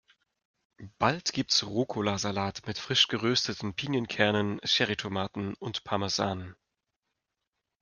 Bald gibt's Rucola-Salat mit frisch gerösteten Pinienkernen, Cherry-Tomaten und Parmesan.